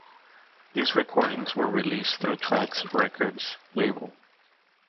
These recordings were released through Trax Records label.